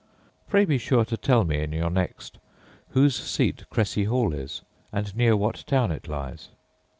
Pray be sure to tell me in your next whose seat Cressi hall is, and near what town it lies.